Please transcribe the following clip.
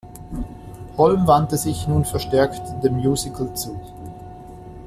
Holm wandte sich nun verstärkt dem Musical zu.